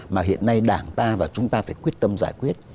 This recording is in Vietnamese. mà hiện nay đảng ta và chúng ta phải quyết tâm giải quyết